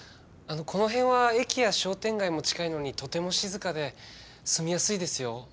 この辺は駅や商店街も近いのにとても静かで住みやすいですよ。